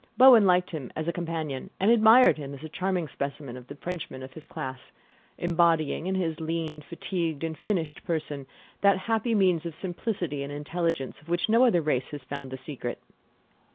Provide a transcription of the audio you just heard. Bowen liked him as a companion and admired him as a charming specimen of the Frenchman of his class, embodying in his lean, fatigued and finished person that happy mean of simplicity and intelligence of which no other race has found the secret.